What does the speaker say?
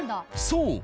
そう。